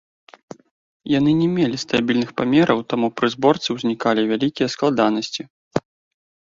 Яны не мелі стабільных памераў, таму пры зборцы ўзнікалі вялікія складанасці.